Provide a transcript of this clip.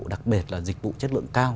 đặc biệt là dịch vụ chất lượng cao